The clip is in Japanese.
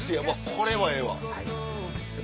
これはええわ。